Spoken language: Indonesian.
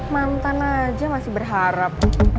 mantan aja masih berharap